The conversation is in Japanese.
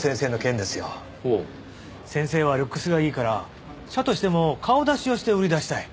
先生はルックスがいいから社としても顔出しをして売り出したい。